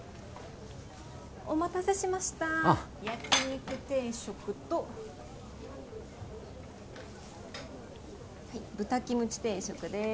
お待たせしました焼肉定食とはい豚キムチ定食です